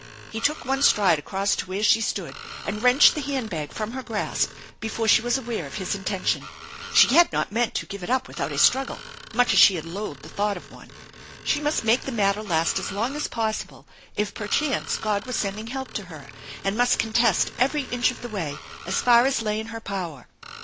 He took one stride across to where she stood and wrenched the hand bag from her grasp before she was aware of his intention. She had not meant to give it up without a struggle, much as she loathed the thought of one. She must make the matter last as long as possible, if perchance God was sending help to her, and must contest every inch of the way as far as lay in her power.